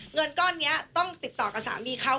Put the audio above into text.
เงินก้อนนี้ต้องติดต่อกับสามีเขา